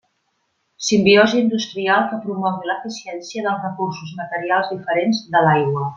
Simbiosi industrial que promogui l'eficiència dels recursos materials diferents de l'aigua.